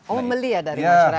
oh membeli ya dari masyarakat